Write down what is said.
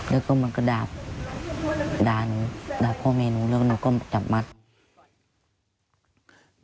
แล้วก็มันก็ดาบด่าหนูด่าพ่อแม่หนูแล้วหนูก็จับมัด